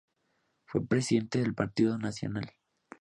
Fue presidente del Partido Nacional.